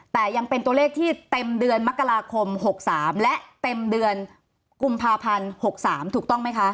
แต่ยังเป็นตัวเลขที่เต็มเดือนมกราคม๖๓และเต็มเดือนกุมภาพันธ์๖๓ถูกต้องไหมคะ